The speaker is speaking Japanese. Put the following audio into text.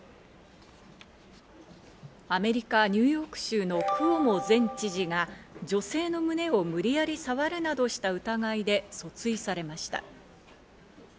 アメリカ・ニューヨーク州のクオモ前知事が女性の胸を無理やり触るなどした疑いで訴追されました。